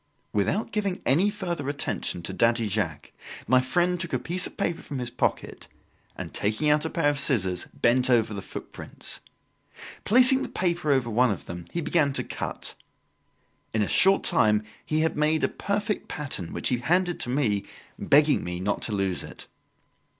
Without giving any further attention to Daddy Jacques, my friend took a piece of paper from his pocket, and taking out a pair of scissors, bent over the footprints. Placing the paper over one of them he began to cut. In a short time he had made a perfect pattern which he handed to me, begging me not to lose it.